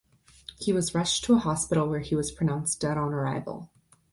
He was rushed to a hospital where he was pronounced dead on arrival.